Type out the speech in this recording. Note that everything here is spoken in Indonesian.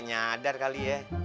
gak nyadar kali ya